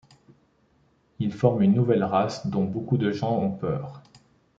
Ils forment une nouvelle race dont beaucoup de gens ont peur.